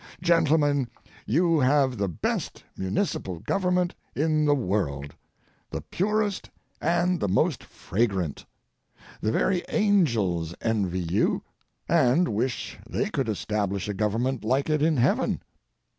Gentlemen, you have the best municipal government in the world—the purest and the most fragrant. The very angels envy you, and wish they could establish a government like it in heaven.